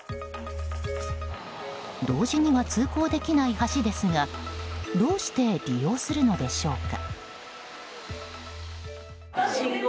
同時には通行できない橋ですがどうして利用するのでしょうか。